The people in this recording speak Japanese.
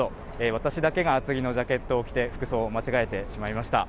私だけが厚手のジャケットを着て、服装を間違えてしまいました。